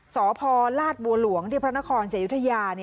สพลาดบัวหลวงที่พระนครศรีอยุธยา